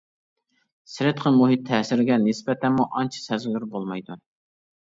سىرتقى مۇھىت تەسىرىگە نىسبەتەنمۇ ئانچە سەزگۈر بولمايدۇ.